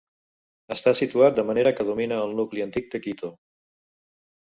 Està situat de manera que domina el nucli antic de Quito.